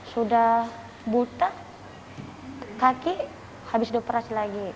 sudah buta kaki habis dua peras lagi